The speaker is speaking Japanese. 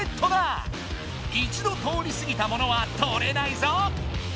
一度通りすぎたものは取れないぞ！